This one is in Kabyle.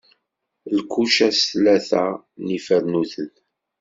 Lkuca s tlata n yifarnuten.